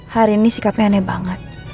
hari ini sikapnya aneh banget